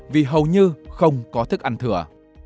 vì hầu như không có thức ăn thừa